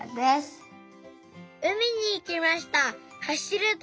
海にいきました。